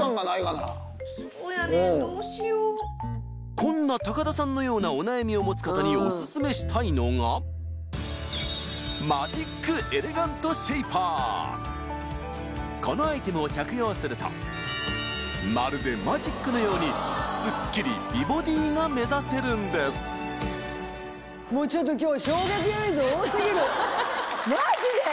こんな高田さんのようなお悩みを持つ方にオススメしたいのがこのアイテムを着用するとまるでマジックのようにすっきり美ボディーが目指せるんですもうちょっと今日。